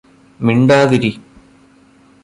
മിണ്ടാതിരി